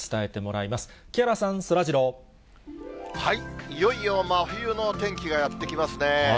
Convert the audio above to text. いよいよ真冬の天気がやって来ますね。